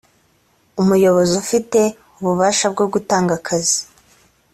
umuyobozi ufite ububasha bwo gutanga akazi